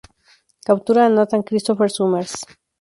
Captura a Nathan Christopher Summers.